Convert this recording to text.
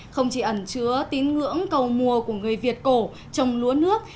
không chỉ ẩn chứa tín ngưỡng cầu mùa của người việt cổ trồng lúa nước